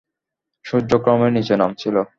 সূর্য ক্রমে নিচে নামছিল।